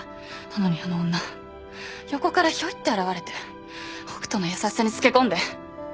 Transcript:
なのにあの女横からひょいって現れて北斗の優しさにつけ込んで。